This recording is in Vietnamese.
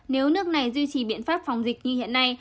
nếu nước này duy trì biện pháp phòng dịch như hiện nay